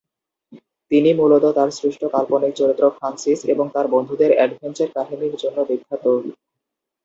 তিনি মূলত তার সৃষ্ট কাল্পনিক চরিত্র ফ্রান্সিস এবং তার বন্ধুদের অ্যাডভেঞ্চার কাহিনীর জন্য বিখ্যাত।